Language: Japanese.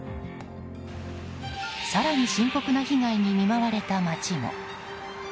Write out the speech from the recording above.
更に深刻な被害に見舞われた街も。